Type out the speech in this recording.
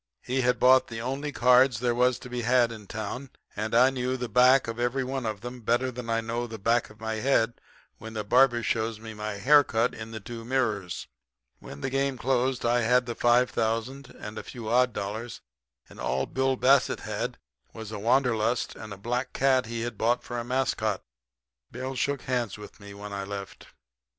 He had bought the only cards there was to be had in town; and I knew the back of every one of them better than I know the back of my head when the barber shows me my haircut in the two mirrors. "When the game closed I had the five thousand and a few odd dollars, and all Bill Bassett had was the wanderlust and a black cat he had bought for a mascot. Bill shook hands with me when I left.